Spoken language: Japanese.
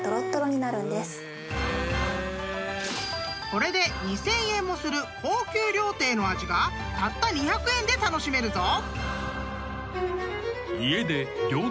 ［これで２，０００円もする高級料亭の味がたった２００円で楽しめるぞ］